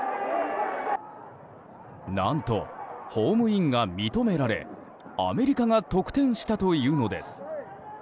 何と、ホームインが認められアメリカが得点したというのです。